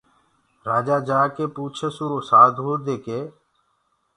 راجآ جآڪي پوٚڇس اُرو سآڌوٚئودي ڪي